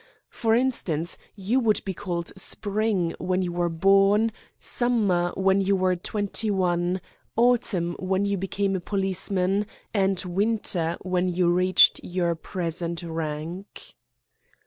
For instance, you would be called Spring when you were born, Summer when you were twenty one, Autumn when you became a policeman, and Winter when you reached your present rank."